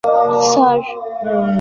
অবসর নিচ্ছেন কবে, স্যার?